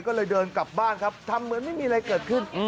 ก็เลยเดินกลับบ้านครับทำเหมือนไม่มีอะไรเกิดขึ้น